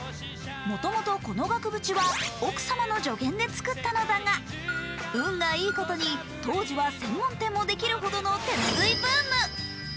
もともとこの額縁は奥様の助言で作ったのだが、運がいいことに当時は専門店もできるほどの手拭いブーム。